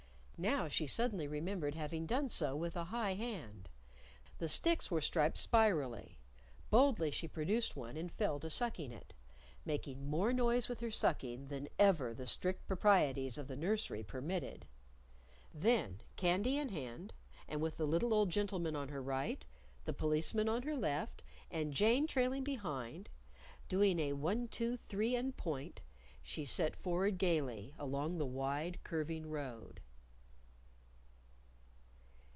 Now she suddenly remembered having done so with a high hand. The sticks were striped spirally. Boldly she produced one and fell to sucking it, making more noise with her sucking than ever the strict proprieties of the nursery permitted. Then, candy in hand, and with the little old gentleman on her right, the Policeman on her left, and Jane trailing behind, doing a one two three and point, she set forward gayly along the wide, curving road.